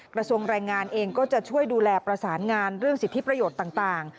กระทรวงแรงงานเองก็จะช่วยดูแลประสานงานเรื่องสิทธิประโยชน์ต่าง